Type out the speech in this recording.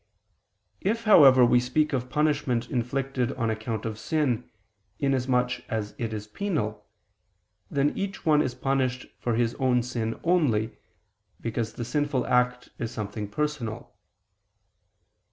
If, however, we speak of punishment inflicted on account of sin, inasmuch as it is penal, then each one is punished for his own sin only, because the sinful act is something personal.